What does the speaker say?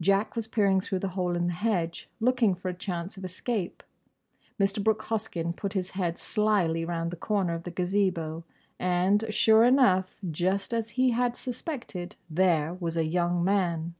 Jack was peering through the hole in the hedge, looking for a chance of escape. Mr. Brooke Hoskyn put his head slily round the corner of the Gazebo—and, sure enough, just as he had suspected—there was a young man!